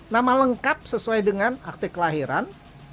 nama lengkap sesuai dengan akte kelahiran